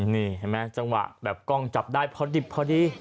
นี่เห็นไหมจังหวะแบบกล้องจับได้พอดิบพอดี